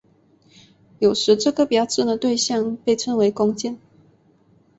有时这个标准对像被称为工件。